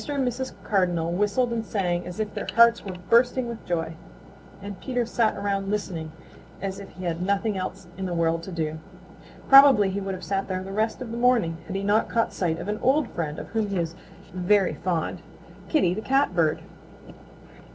and Mrs. Cardinal whistled and sang as if their hearts were bursting with joy, and Peter sat around listening as if he had nothing else in the world to do. Probably he would have sat there the rest of the morning had he not caught sight of an old friend of whom he is very fond, Kitty the Catbird.